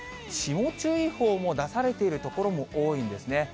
霜注意報も出されている所も多いんですね。